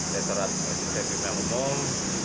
leterat residen bg yang umum